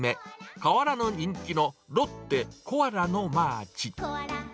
変わらぬ人気のロッテ、コアラのマーチ。